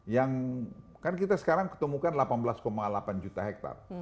yang kan kita sekarang ketemukan delapan belas delapan juta hektare